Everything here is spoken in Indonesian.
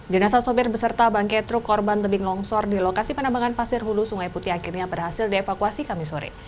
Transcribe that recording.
jenazah sopir beserta bangke truk korban tebing longsor di lokasi penambangan pasir hulu sungai putih akhirnya berhasil dievakuasi kami sore